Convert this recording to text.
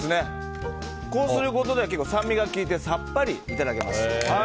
こうすることで酸味が効いてさっぱりいただけます。